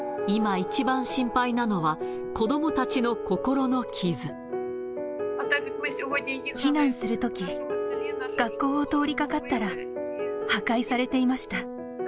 今、一番心配なのは、子ども避難するとき、学校を通りかかったら、破壊されていました。